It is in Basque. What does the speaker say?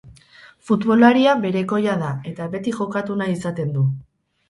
Futbolaria berekoia da eta beti jokatu nahi izaten du.